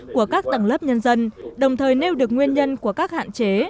của các tầng lớp nhân dân đồng thời nêu được nguyên nhân của các hạn chế